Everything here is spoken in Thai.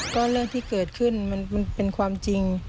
ก็เรื่องที่เกิดขึ้นมันเป็นความจริง